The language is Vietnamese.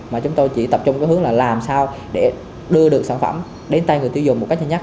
mà chúng tôi chỉ tập trung cái hướng là làm sao để đưa được sản phẩm đến tay người tiêu dùng một cách nhanh nhất